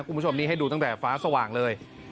คุณผู้ชมนี้ให้ดูตั้งแต่ฟ้าสว่างเลย